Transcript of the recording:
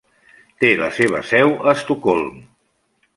Té la seva seu a Estocolm.